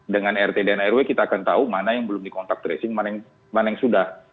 dengan rt dan rw kita akan tahu mana yang belum dikontak tracing mana yang sudah